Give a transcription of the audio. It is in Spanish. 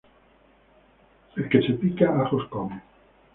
El que se pica, ajos come